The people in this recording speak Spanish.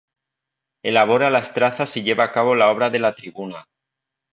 Elabora las trazas y lleva a cabo la obra de la tribuna.